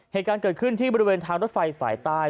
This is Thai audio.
เหตุการณ์เกิดขึ้นที่บริเวณทางรถไฟสายใต้